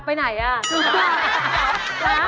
ไปไหนอ่ะ